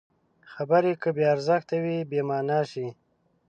خبرې که بې ارزښته وي، بېمانا شي.